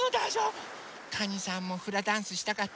かにさんもフラダンスしたかったのね。